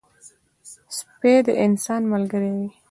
سپي د انسان ملګری وي.